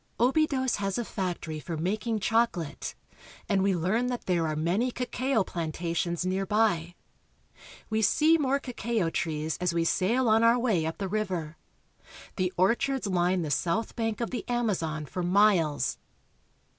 Obidos has a factory for making chocolate, and we learn that there are many cacao plantations near by. We see more cacao trees as we sail on our way up the river. The orchards line the south bank of the Amazon for miles.